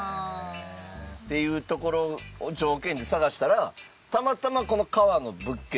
っていうところを条件で探したらたまたまこの川の物件に出会えたっていう。